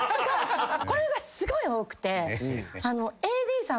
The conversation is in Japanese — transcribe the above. これがすごい多くて。